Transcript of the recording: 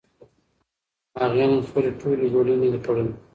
هغې نن خپلې ټولې ګولۍ نه دي خوړلې.